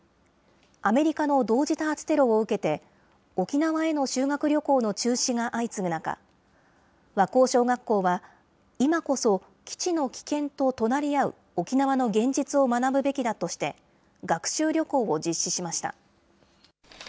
アメリカの同時多発テロを受けて、沖縄への修学旅行の中止が相次ぐ中、和光小学校は、今こそ基地の危険と隣り合う沖縄の現実を学ぶべきだとして、学習旅行を実施しました。